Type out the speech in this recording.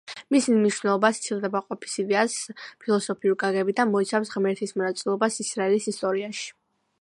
მისი მნიშვნელობა სცილდება ყოფის იდეას ფილოსოფიური გაგებით და მოიცავს ღმერთის მონაწილეობას ისრაელის ისტორიაში.